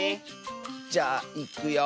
じゃあいくよ。